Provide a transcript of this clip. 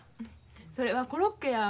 それはコロッケや。